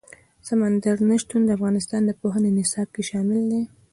سمندر نه شتون د افغانستان د پوهنې نصاب کې شامل دي.